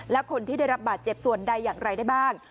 และคนที่ได้รับบาดเจ็บส่วนใดอย่างไรได้บ้าง